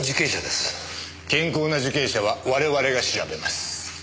健康な受刑者は我々が調べます。